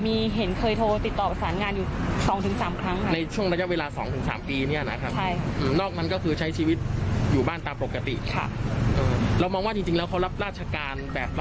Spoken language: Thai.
มีเห็นเคยโทรติดต่อรัฐราชาการอยู่๒๓ครั้งครับ